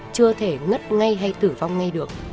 chưa thể ngất ngay hay tử vong ngay được